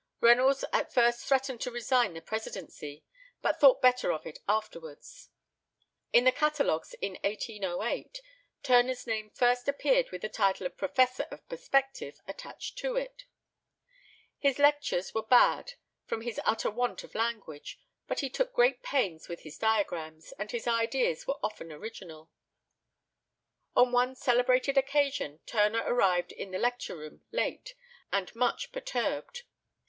Reynolds at first threatened to resign the presidency; but thought better of it afterwards. In the catalogues in 1808 Turner's name first appeared with the title of Professor of Perspective attached to it. His lectures were bad, from his utter want of language, but he took great pains with his diagrams, and his ideas were often original. On one celebrated occasion Turner arrived in the lecture room late, and much perturbed.